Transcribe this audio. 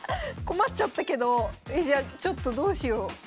困っちゃったけどえじゃあちょっとどうしよう。